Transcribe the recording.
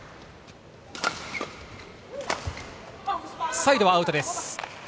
サイドはアウトです。